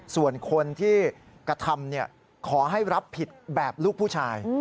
ส่วนคนที่กระทำขอให้รับผิดแบบลูกผู้ชาย